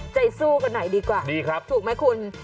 ใจสู้กันหน่อยดีกว่าถูกไหมคุณ